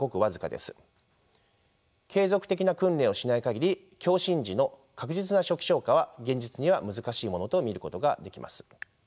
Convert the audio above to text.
継続的な訓練をしない限り強震時の確実な初期消火は現実には難しいものと見ることができます。